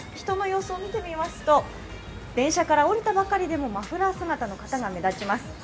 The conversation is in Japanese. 人の様子を見てみますと電車から降りたばかりでもマフラーの姿の方が多く見られます。